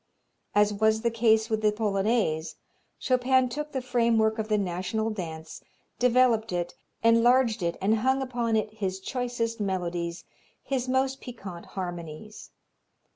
As was the case with the Polonaise, Chopin took the framework of the national dance, developed it, enlarged it and hung upon it his choicest melodies, his most piquant harmonies.